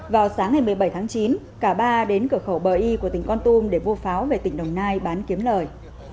vào sáng ngày một mươi bảy tháng chín cả ba đến cửa khẩu bờ y của tỉnh con tum để mua pháo về tỉnh đồng nai bán kiếm lời